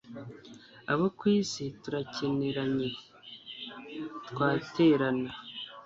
abo ku isi turakeneranye, twaterana